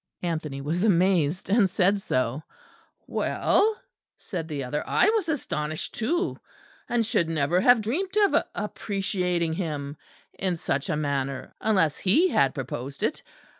Anthony was amazed, and said so. "Well," said the other, "I was astonished too; and should never have dreamt of appreciating him in such a manner unless he had proposed it.